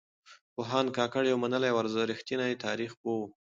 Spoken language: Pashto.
پوهاند کاکړ يو منلی او رښتينی تاريخ پوه و.